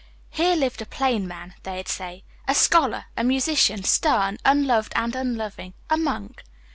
'Here lived a plain man,' they'd say; 'a scholar, a musician, stern, unloved and unloving; a monk.'